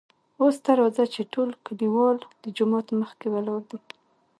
اوس ته راځه چې ټول کليوال دجومات مخکې ولاړ دي .